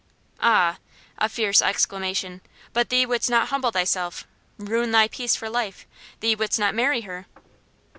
"Ah!" a fierce exclamation. "But thee wouldst not humble thyself ruin thy peace for life? Thee wouldst not marry her?"